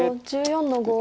黒１４の五。